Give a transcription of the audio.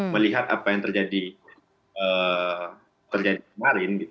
melihat apa yang terjadi kemarin